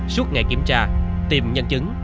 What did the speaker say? suốt ngày kiểm tra tìm nhân chứng